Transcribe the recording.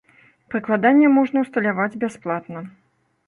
Прыкладанне можна ўсталяваць бясплатна.